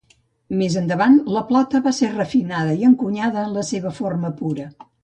Més endavant, la plata va ser refinada i encunyada en la seva forma pura.